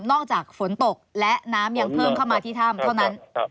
จากฝนตกและน้ำยังเพิ่มเข้ามาที่ถ้ำเท่านั้น